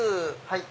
はい。